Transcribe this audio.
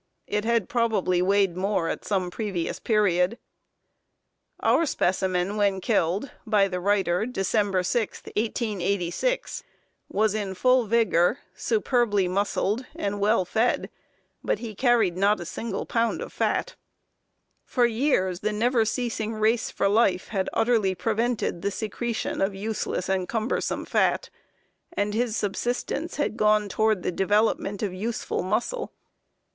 It had probably weighed more at some previous period." Our specimen when killed (by the writer, December 6, 1886) was in full vigor, superbly muscled, and well fed, but he carried not a single pound of fat. For years the never ceasing race for life had utterly prevented the secretion of useless and cumbersome fat, and his "subsistence" had gone toward the development of useful muscle.